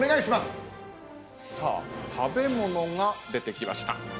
さあ食べ物が出てきました。